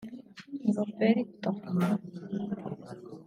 Roberto